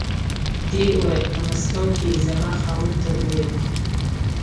دې وویل په مسکو کې یې زما خاوند ته و ویل.